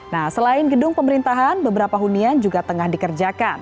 nah selain gedung pemerintahan beberapa hunian juga tengah dikerjakan